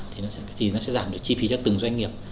thì nó sẽ giảm được chi phí cho từng doanh nghiệp